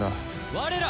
我ら